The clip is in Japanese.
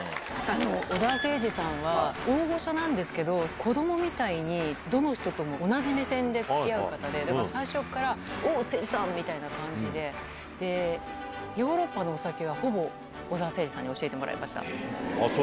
小澤征爾さんは、大御所なんですけど、子どもみたいに、どの人とも同じ目線でつきあう方で、だから、最初からおお、征爾さんみたいな感じで、ヨーロッパのお酒はほぼ小澤征爾さんに教えてもらいました。